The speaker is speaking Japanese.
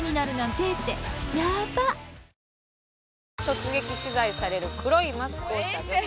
「突撃取材される黒いマスクをした女性」